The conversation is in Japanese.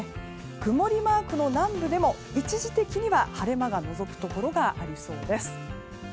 曇りマークの南部でも一時的には晴れ間がのぞくところがありそうです。